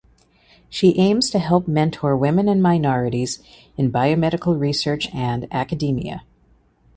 She aims to help mentor women and minorities in biomedical research and academia.